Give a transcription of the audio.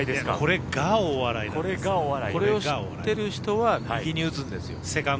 これを知ってる人は打つんですよ